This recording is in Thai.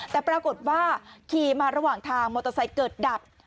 แต่ปรากฏว่าขี่มาระหว่างทางมอเตอร์ไซค์เกิดดับ